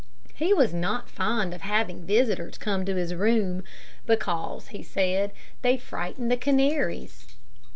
He was not fond of having visitors coming to his room, because, he said, they frightened the canaries.